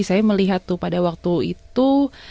saya melihat tuh pada waktu itu